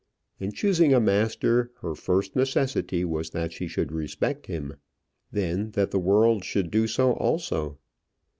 In choosing a master, her first necessity was that she should respect him, then that the world should do so also.